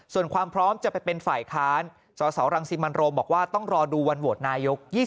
ส่วนความพร้อมจะไปเป็นฝ่ายค้านสสรังสิมันโรมบอกว่าต้องรอดูวันโหวตนายก